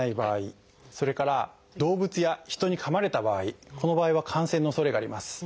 それから動物や人にかまれた場合この場合は感染のおそれがあります。